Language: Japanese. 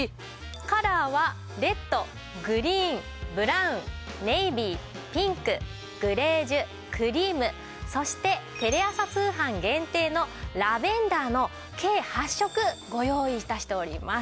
カラーはレッドグリーンブラウンネイビーピンクグレージュクリームそしてテレ朝通販限定のラベンダーの計８色ご用意致しております。